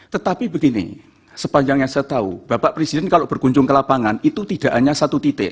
tetapi begini sepanjang yang saya tahu bapak presiden kalau berkunjung ke lapangan itu tidak hanya satu titik